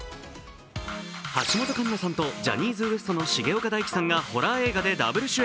橋本環奈さんとジャニーズＷＥＳＴの重岡大毅さんがホラー映画でダブル主演。